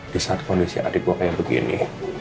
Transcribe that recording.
di saat kondisi adik gue kayak begini